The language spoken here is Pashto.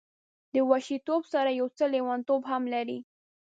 د وحشي توب سره یو څه لیونتوب هم لري.